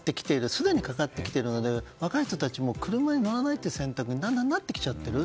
すでにかかってきているので若い人たちはもう車に乗らないという選択になってきちゃっている。